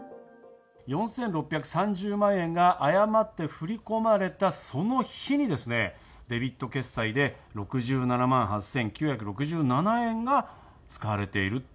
４６３０万円が誤って振り込まれたその日にですね、デビット決済で６７万８９６７円が使われている。